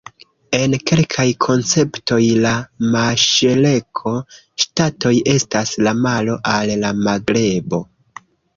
En kelkaj konceptoj la maŝreko-ŝtatoj estas la malo al la magrebo.